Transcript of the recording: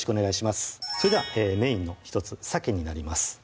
それではメインの１つさけになります